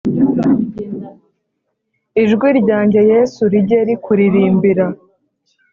Ijwi ryanjye yesu rijye rikuririmbira